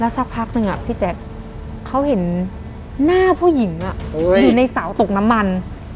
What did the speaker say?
สักพักหนึ่งพี่แจ๊คเขาเห็นหน้าผู้หญิงอยู่ในเสาตกน้ำมัน